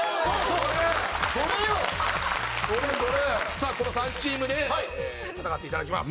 さあこの３チームで戦っていただきます。